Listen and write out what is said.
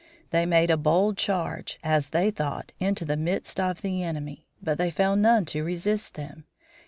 They made a bold charge, as they thought, into the midst of the enemy; but they found none to resist them.